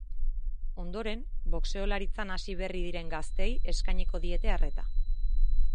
Ondoren, boxeolaritzan hasi berri diren gazteei eskainiko diete arreta.